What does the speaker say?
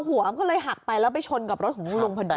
หัวมันก็เลยหักไปแล้วไปชนกับรถของคุณลุงพอดี